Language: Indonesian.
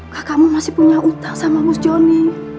kakakmu masih punya utang sama bus joni